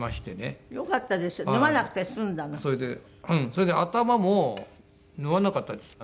それで頭も縫わなかったです。